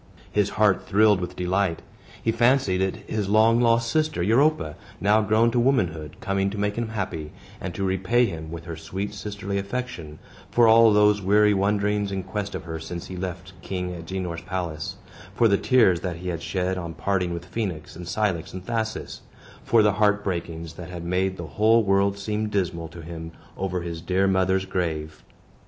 His heart thrilled with delight. He fancied it his long lost sister Europa, now grown to womanhood, coming to make him happy, and to repay him with her sweet sisterly affection, for all those weary wonderings in quest of her since he left King Agenor's palace for the tears that he had shed, on parting with Phoenix, and Cilix, and Thasus for the heart breakings that had made the whole world seem dismal to him over his dear mother's grave.